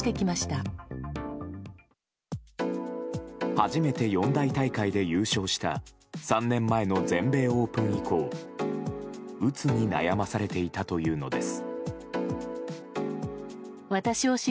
初めて四大大会で優勝した３年前の全米オープン以降うつに悩まされていたというのです。